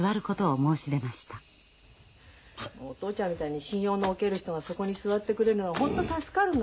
お父ちゃんみたいに信用のおける人がそこに座ってくれるのはホント助かるの。